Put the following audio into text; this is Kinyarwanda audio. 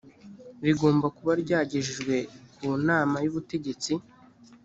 rigomba kuba ryagejejwe ku nama y ubutegetsi